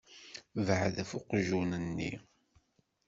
Beɛɛed ɣef uqjun-nni.